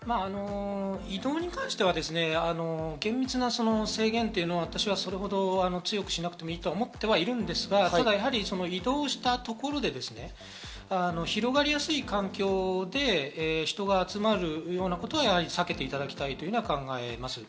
移動に関しては厳密な制限というのはそれほどしなくていいと私は思っているんですが、移動したところで広がりやすい環境で人が集まるようなことは避けていただきたいというふうに考えます。